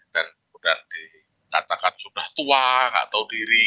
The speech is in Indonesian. dan sudah dikatakan sudah tua tidak tahu diri